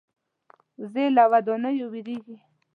وزې له ودانیو وېرېږي